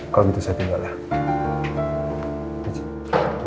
kalau begitu saya tinggalkan